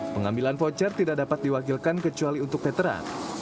pengambilan voucher tidak dapat diwakilkan kecuali untuk veteran